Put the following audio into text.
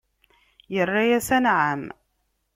Irra-yas: Anɛam!